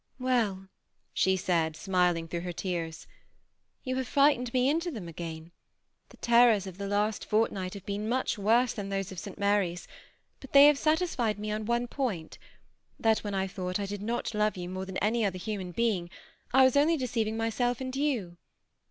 " Well," she said, smiling through her tears, " you have frightened me into them again. The terrors of the last fortnight have been much worse than those of St. Mary's ; but they have satisfied me on one point — that when I thought I did not love you more than any other human being, I was only deceiving myself and you.